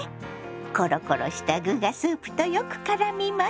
コロコロした具がスープとよくからみます。